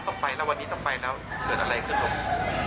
ต้องไปแล้ววันนี้ต้องไปแล้วเกิดอะไรขึ้นลูก